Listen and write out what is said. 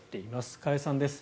加谷さんです。